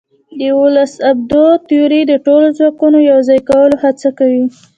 د یوولس ابعادو تیوري د ټولو ځواکونو یوځای کولو هڅه کوي.